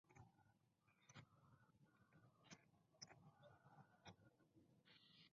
Fue funcionario del Ministerio de Cultura, donde aún permanece en excedencia.